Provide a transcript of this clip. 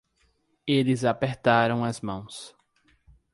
Eles apertaram as mãos.